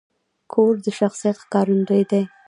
کور د شخصیت ښکارندوی دی.